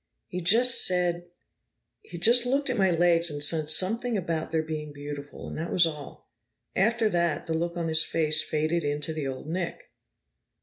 "He just said He just looked at my legs and said something about their being beautiful, and that was all. After that, the look on his face faded into the old Nick."